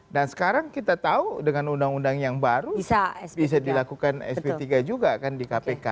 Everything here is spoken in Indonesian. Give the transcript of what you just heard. nah sekarang kita tahu dengan undang undang yang baru bisa dilakukan sp tiga juga kan di kpk